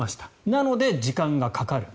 なので、時間がかかる。